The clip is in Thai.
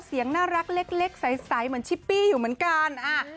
เสียงน่ารักเล็กใสเหมือนชิปปี้อยู่เหมือนกัน